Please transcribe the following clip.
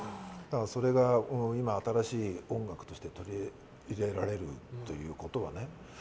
それが今、新しい音楽として受け入れられるということはね。